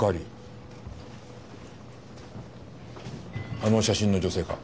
あの写真の女性か？